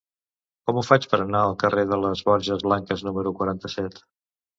Com ho faig per anar al carrer de les Borges Blanques número quaranta-set?